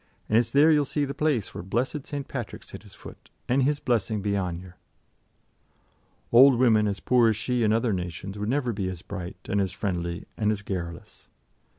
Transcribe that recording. And it's there you'll see the place where the blessed Saint Patrick set his foot, and his blessing be on yer." Old women as poor as she in other nations would never be as bright and as friendly and as garrulous.